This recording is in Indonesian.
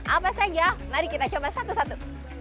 apa saja mari kita coba satu satu